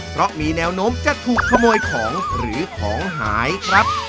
เพราะมีแนวโน้มจะถูกขโมยของหรือของหายครับ